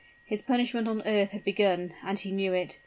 His punishment on earth had begun and he knew it.